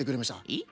えっ？